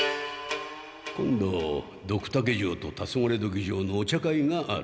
今度ドクタケ城とタソガレドキ城のお茶会がある。